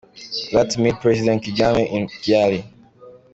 Glad to meet President Kagame in Kigali.